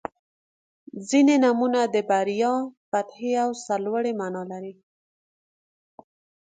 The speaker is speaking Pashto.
• ځینې نومونه د بریا، فتحې او سرلوړۍ معنا لري.